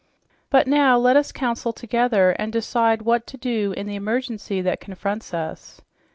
But now, let us counsel together and decide what to do in the emergency that confronts us."